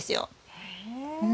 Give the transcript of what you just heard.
へえ。